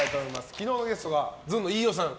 昨日のゲストがずんの飯尾さん。